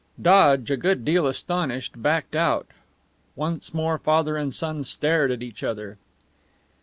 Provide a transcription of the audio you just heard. Dodge, a good deal astonished, backed out. Once more father and son stared at each other.